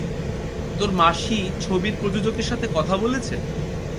তোর মাসি ছবির প্রযোজকের সাথে কথা বলেছে?